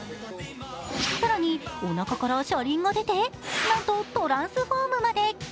更に、おなかから車輪が出てなんとトランスフォームまで。